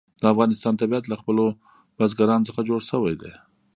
د افغانستان طبیعت له خپلو بزګانو څخه جوړ شوی دی.